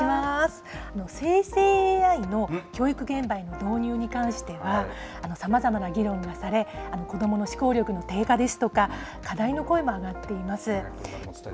生成ＡＩの教育現場への導入に関してはさまざまな議論がされ子どもの思考力の低下ですとか課題の声も上がっています。